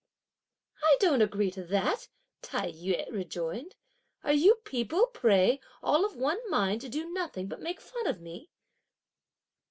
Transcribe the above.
"I don't agree to that," Tai yü rejoined; "are you people, pray, all of one mind to do nothing but make fun of me?"